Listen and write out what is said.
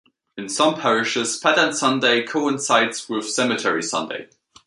In some parishes, Pattern Sunday coincides with Cemetery Sunday.